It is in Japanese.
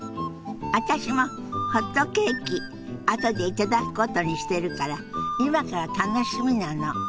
私もホットケーキあとで頂くことにしてるから今から楽しみなの。